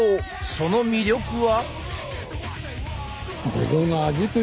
その魅力は？